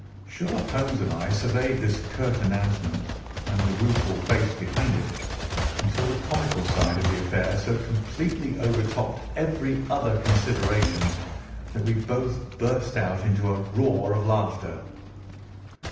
Sherlock Holmes and I surveyed this curt announcement and the rueful face behind it, until the comical side of the affair so completely overtopped every other consideration that we both burst out into a roar of laughter.